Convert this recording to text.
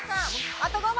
あと５問。